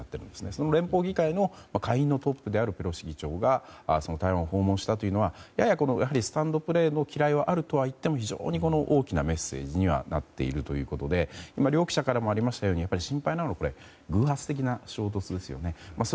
その連邦議会の下院のトップであるペロシ議長が台湾を訪問したというのはややスタンドプレーのきらいはあるとはいっても非常に大きなメッセージにはなっているということで今、両記者からもありましたが心配なのは偶発的な衝突ですよね。